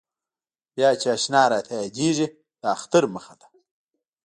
بیا چې اشنا راته یادېږي د اختر مخه ده.